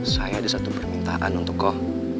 saya ada satu permintaan untuk kau